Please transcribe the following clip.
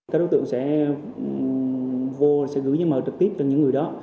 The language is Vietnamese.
các đối tượng sẽ vô sẽ gửi giá mở trực tiếp cho những người đó